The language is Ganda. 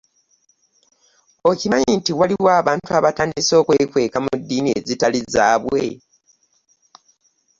Okimanyi nti waliwo abantu abatandise okwekweka mu ddiini ezitali zaabwe.